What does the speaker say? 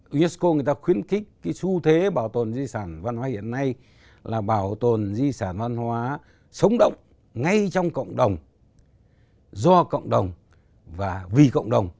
unesco người ta khuyến khích cái xu thế bảo tồn di sản văn hóa hiện nay là bảo tồn di sản văn hóa sống động ngay trong cộng đồng do cộng đồng và vì cộng đồng